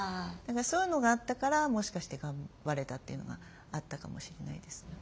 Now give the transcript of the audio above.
そういうのがあったからもしかして頑張れたというのがあったかもしれないですね。